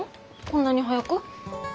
こんなに早く？